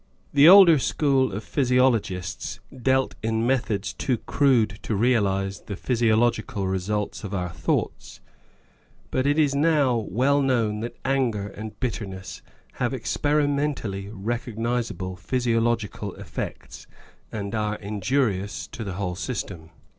The older school of physiologists dealt in methods too crude to realise the physiological results of our thoughts, but it is now well known that anger and bitterness have experimentally recognisable physio logical effects, and are injurious to the whole system.